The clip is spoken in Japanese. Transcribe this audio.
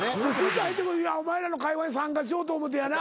お前らの会話に参加しようと思うてやな。